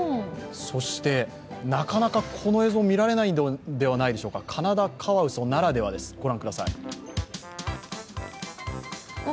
そして、なかなかこの映像見られないのではないでしょうか、カナダカワウソならではです、御覧ください。